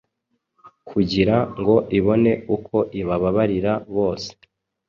kugira ngo ibone uko ibababarira bose.